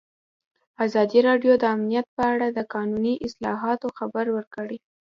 ازادي راډیو د امنیت په اړه د قانوني اصلاحاتو خبر ورکړی.